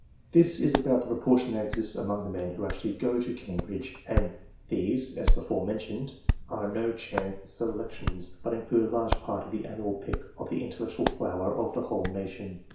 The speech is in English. This is about the proportion that exists among the men who actually go to Cambridge, and these, as before mentioned, are no chance selec tions, but include a large part of the annual pick of the intellectual flower of the whole nation.